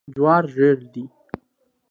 جوار ژیړ دي.